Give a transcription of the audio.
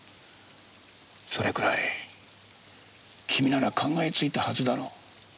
それくらい君なら考えついたはずだろう？